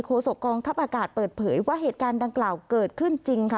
โศกองทัพอากาศเปิดเผยว่าเหตุการณ์ดังกล่าวเกิดขึ้นจริงค่ะ